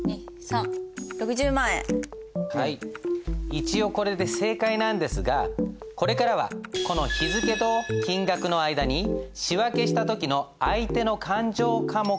一応これで正解なんですがこれからはこの日付と金額の間に仕訳した時の相手の勘定科目も書くようにしましょう。